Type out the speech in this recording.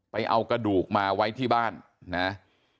เอากระดูกมาไว้ที่บ้านนะ